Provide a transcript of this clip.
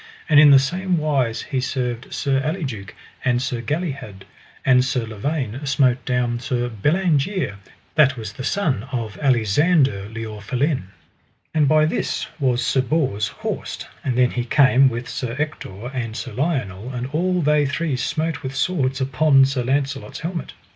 And in the same wise he served Sir Aliduke and Sir Galihud. And Sir Lavaine smote down Sir Bellangere, that was the son of Alisander le Orphelin. And by this was Sir Bors horsed, and then he came with Sir Ector and Sir Lionel, and all they three smote with swords upon Sir Launcelot's helmet.